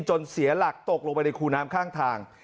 เสียหลักตกลงไปในคูน้ำข้างทาง